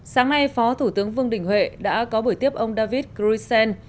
sáng nay phó thủ tướng vương đình huệ đã có buổi tiếp ông david krisen